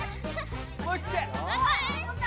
思い切って！